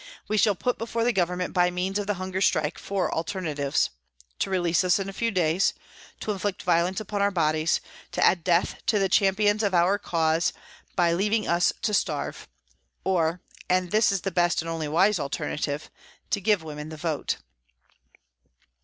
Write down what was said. We shall put before the Government by means of the hunger strike four alternatives : To release us in a few days ; to inflict violence upon our bodies ; to add death to the champions of our cause by leaving us to starve ; or, and this is the best and only wise alternative, to give women the vote.